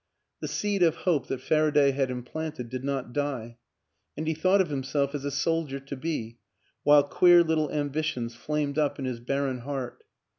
The seed of hope that Faraday had implanted did not die, and he thought of himself as a soldier to be, while queer little ambitions flamed up in his barren heart.